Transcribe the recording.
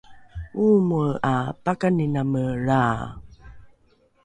oomoe ’a pakaniname lraa